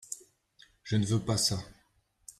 Je ne veux pa ça.